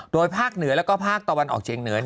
โดยภาคเหนือแล้วก็ภาคตะวันออกเชียงเหนือ